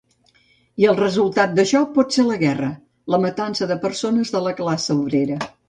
I el resultat d'això pot ser la guerra, la matança de persones de la classe obrera.